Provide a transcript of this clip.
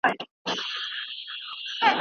که استاد مرسته ونه کړي شاګرد لار ورکوي.